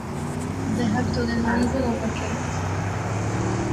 ذهبت للمنزل وبكيت.